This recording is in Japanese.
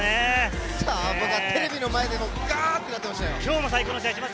テレビの前でも、がってなってましたよ。